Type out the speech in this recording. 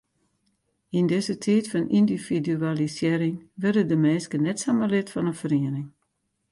Yn dizze tiid fan yndividualisearring wurde de minsken net samar lid fan in feriening.